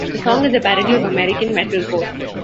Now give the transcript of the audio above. The song is a parody of American metalcore.